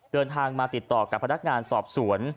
เดินทางมาติดต่อกับพนักงานสอบสวน